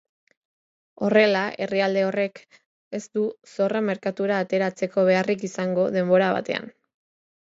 Horrela, herrialde horrek ez du zorra merkatura ateratzeko beharrik izango denbora batean.